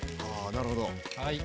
なるほど。